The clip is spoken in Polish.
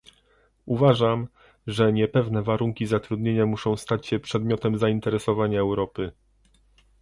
Uważam, że niepewne warunki zatrudnienia muszą stać się przedmiotem zainteresowania Europy